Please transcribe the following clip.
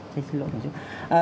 xin lỗi một chút